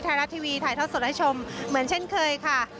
ไทยรัฐทีวีถ่ายทอดสดให้ชมเหมือนเช่นเคยค่ะ